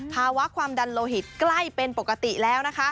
ภาวะความดันโลหิตใกล้เป็นปกติแล้ว